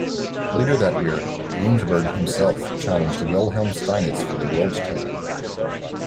Later that year, Gunsberg himself challenged Wilhelm Steinitz for the world title.